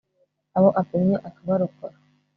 abo apimye akabarokora